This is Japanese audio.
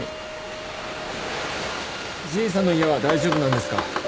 じいさんの家は大丈夫なんですか？